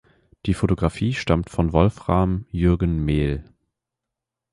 Die Fotografie stammt von Wolfram Jürgen Mehl.